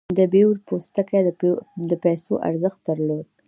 د بیور پوستکی د پیسو ارزښت درلود.